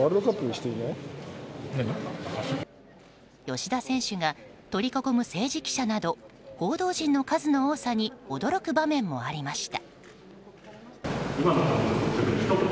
吉田選手が取り囲む政治記者など報道陣の数の多さに驚く場面もありました。